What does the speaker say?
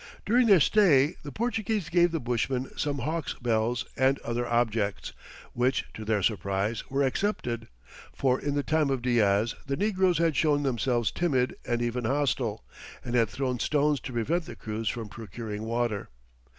During their stay the Portuguese gave the Bushmen some hawks' bells and other objects, which, to their surprise, were accepted, for in the time of Diaz the negroes had shown themselves timid and even hostile, and had thrown stones to prevent the crews from procuring water.